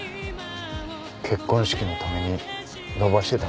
結婚式のために伸ばしてたんだろう。